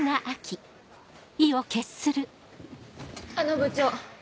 あの部長